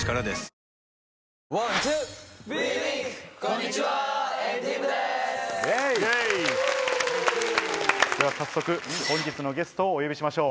ＷＥＬＩＮＫ！では早速本日のゲストをお呼びしましょう。